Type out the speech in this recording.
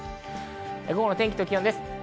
午後の天気と気温です。